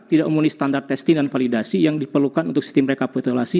tidak memenuhi standar testing dan validasi yang diperlukan untuk sistem rekapitulasi